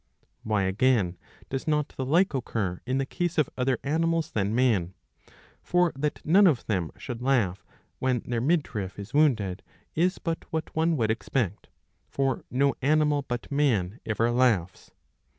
Why again does not the like occur in the case of other animals than man ? For that none of them should laugh, when their midriff is wounded, is but what one would expect ; for no animal but man ever laughs.